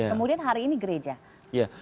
kemudian hari ini gereja